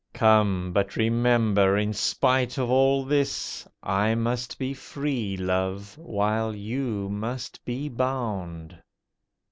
Come! but remember, in spite of all this, I must be free, Love, while you must be bound.